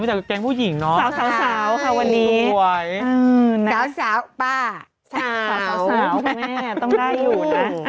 ไม่จากแกงผู้หญิงเนอะสาวสาวสาวค่ะวันนี้สาวสาวป้าสาวสาวสาวแม่ต้องได้อยู่น่ะ